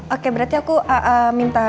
oke berarti aku minta